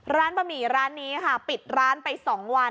บะหมี่ร้านนี้ค่ะปิดร้านไป๒วัน